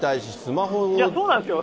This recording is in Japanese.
そうなんですよ。